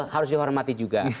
harus dihormati juga